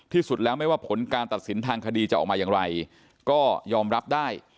ที่สุดแล้วไม่ว่าผลการตัดสินทางคดีจะออกมาอย่างไรก็ยอมรับได้